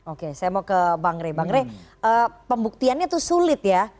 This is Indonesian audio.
oke saya mau ke bang rey bang rey pembuktiannya itu sulit ya